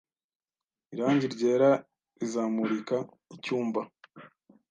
Irangi ryera rizamurika icyumba